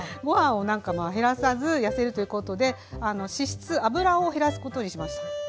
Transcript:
ご飯を減らさずやせるということで脂質油を減らすことにしました。